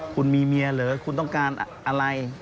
คุณมีเมียเหรอคุณต้องการอะไร